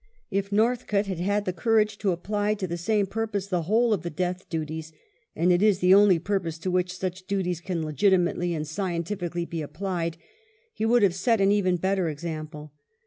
If Northcote had had the courage to apply to the same purpose the whole of the " death duties " (and it is the only purpose to which such duties can legitimately and scientifically be applied), he would have set an even better example.